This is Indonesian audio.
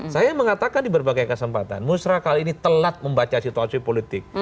saya mengatakan di berbagai kesempatan musrah kali ini telat membaca situasi politik